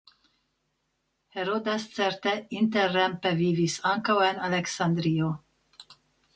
Herodas certe interrempe vivis ankaŭ en Aleksandrio.